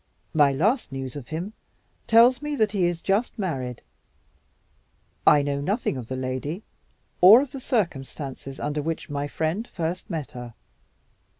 My last news of him tells me that he is just married. I know nothing of the lady, or of the circumstances under which my friend first met with her.